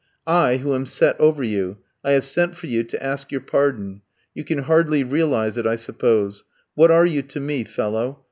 I, who am set over you, I have sent for you to ask your pardon. You can hardly realise it, I suppose. What are you to me, fellow?